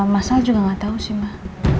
mas al juga gak tau sih mah